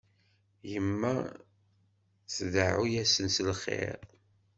Yemma tdeɛɛu-asen s lxir.